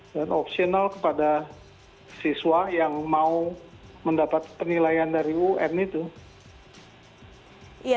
dan opsional kepada siswa yang mau mendapat penilaian dari un itu